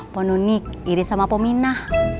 ponunik iris sama pominah